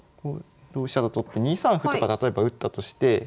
同飛車と取って２三歩とか例えば打ったとして。